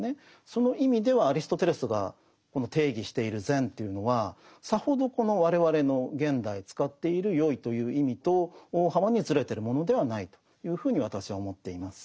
その意味ではアリストテレスがこの定義している善というのはさほどこの我々の現代使っているよいという意味と大幅にずれてるものではないというふうに私は思っています。